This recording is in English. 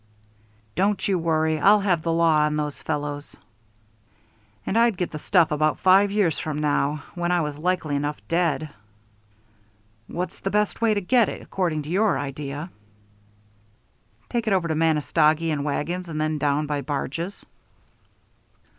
"Don't you worry. I'll have the law on those fellows " "And I'd get the stuff about five years from now, when I was likely enough dead." "What's the best way to get it, according to your idea?" "Take it over to Manistogee in wagons and then down by barges."